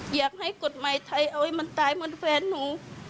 อยากให้กฎหมายไทยเอาให้มันตายเหมือนแฟนหนู